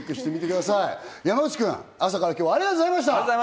山口君、朝から今日はありがとうございました。